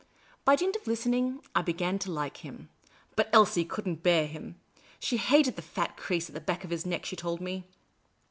By dint of listening, I began to like him. But Elsie could n't bear him. She hated the fat crease at the back of his neck, she told me.